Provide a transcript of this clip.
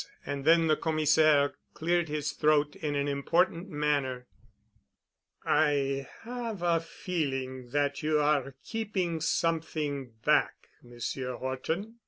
And then the Commissaire cleared his throat in an important manner. "I have a feeling that you are keeping something back, Monsieur Horton.